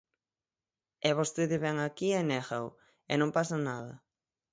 E vostede vén aquí e négao, e non pasa nada.